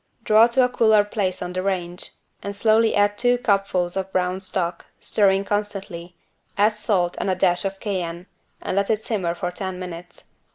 Draw to a cooler place on the range and slowly add two cupfuls of brown stock, stirring constantly, add salt and a dash of Cayenne and let simmer for ten minutes.